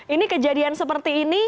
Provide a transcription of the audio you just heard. ini kejadian seperti ini